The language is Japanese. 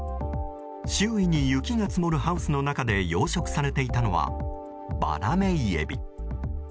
周囲に雪が積もるハウスの中で養殖されていたのはバナメイエビ。